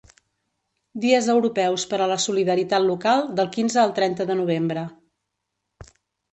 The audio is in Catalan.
Dies Europeus per a la Solidaritat Local del quinze al trenta de novembre.